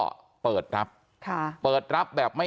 ความปลอดภัยของนายอภิรักษ์และครอบครัวด้วยซ้ำ